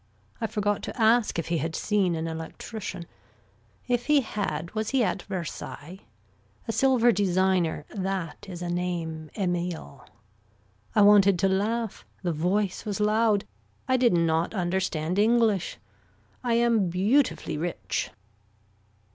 I forgot to ask if he had seen an electrician. If he had was he at Versailles. A silver designer that is a name, Emile. I wanted to laugh. The voice was loud. I did not understand English. I am beautifully rich.